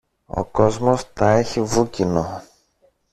Ο κόσμος τα έχει βούκινο.